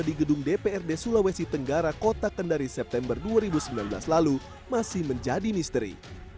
di gedung dprd sulawesi tenggara kota kendari september dua ribu sembilan belas lalu masih menjadi misteri